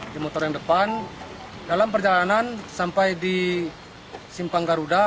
di motor yang depan dalam perjalanan sampai di simpang garuda